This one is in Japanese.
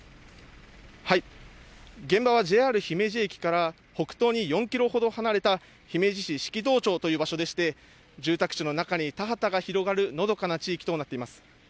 現場はＪＲ姫路駅から北東に４キロほど離れた姫路市飾東町という場所でして、住宅地の中に田畑が広がるのどかな地域となっています。